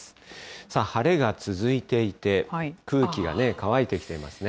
さあ、晴れが続いていて、空気が乾いてきていますね。